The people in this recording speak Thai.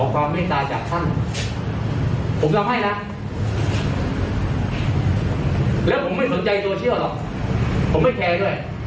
ผมทำให้นะแล้วผมไม่สนใจโซเชียลหรอกผมไม่แคร์ด้วย